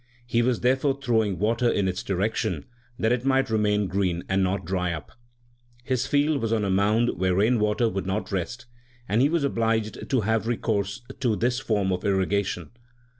He was therefore throwing water in its direction, that it might remain green and not dry up. His field was on a mound where rain water would not LIFE OF GURU NANAK 51 rest, and he was obliged to have recourse to this form of irrigation.